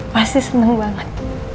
pasti seneng banget